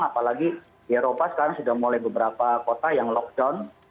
apalagi di eropa sekarang sudah mulai beberapa kota yang lockdown